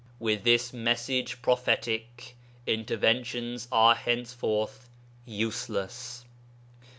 With this message prophetic interventions are henceforth useless.